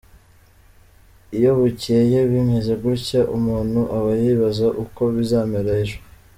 Iyo bukeye bimeze gutya, umuntu aba yibaza uko bizamera ejo!.